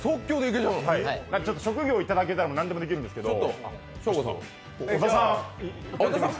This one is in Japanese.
ちょっと職業を言っていただけたら何でもできるんですけれど。